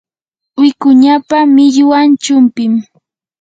wikuñapa millwan chumpim.